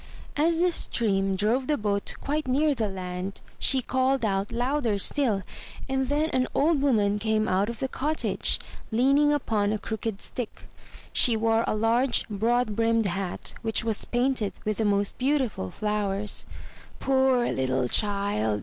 As the stream drove the boat quite near the land, she called out louder still and then an old woman came out of the cottage, leaning upon a crooked stick. She wore a large broad brimmed hat which was painted with the most beautiful flowers. "Poor little child!